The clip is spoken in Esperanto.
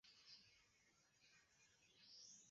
Mi ĝojus erari … Kial do ni protestas, se tio nenion ŝanĝos?